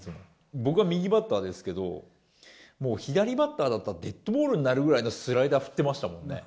僕は右バッターですけど、もう左バッターだったら、デッドボールになるぐらいのスライダー振ってましたもんね。